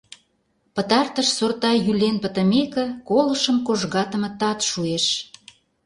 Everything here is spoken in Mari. Пытартыш сорта йӱлен пытымеке, колышым кожгатыме тат шуэш.